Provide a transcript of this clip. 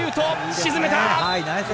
沈めた！